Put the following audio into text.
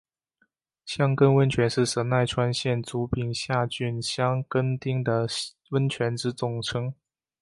箱根温泉是神奈川县足柄下郡箱根町的温泉之总称。